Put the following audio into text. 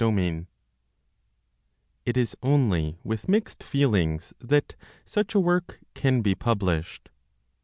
FOREWORD It is only with mixed feelings that such a work can be published.